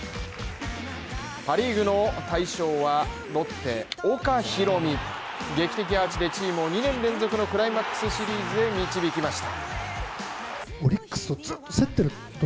パ・リーグの大賞は、ロッテ岡大海劇的アーチでチームを２年連続のクライマックスシリーズに導きました。